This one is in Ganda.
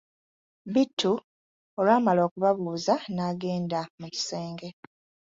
Bittu olwamala okubabuuza n'agenda mu kisenge.